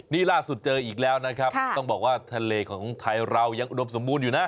นี่ล่าสุดเจออีกแล้วนะครับต้องบอกว่าทะเลของไทยเรายังอุดมสมบูรณ์อยู่นะ